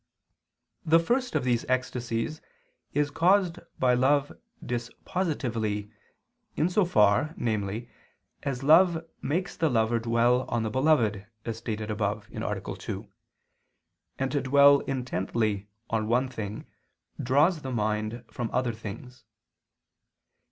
The first of these ecstasies is caused by love dispositively in so far, namely, as love makes the lover dwell on the beloved, as stated above (A. 2), and to dwell intently on one thing draws the mind from other things.